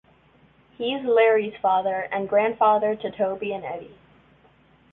He's Larry's father, and grandfather to Toby and Eddie.